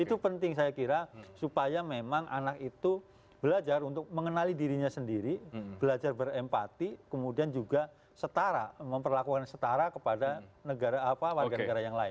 itu penting saya kira supaya memang anak itu belajar untuk mengenali dirinya sendiri belajar berempati kemudian juga setara memperlakukan setara kepada warga negara yang lain